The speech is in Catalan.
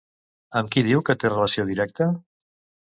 Amb què diu que té relació directa?